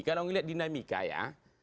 kalau ngeliat dinamika ya